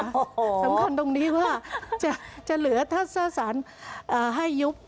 สำคัญตรงนี้ว่าจะเหลือถ้าสารให้ยุบ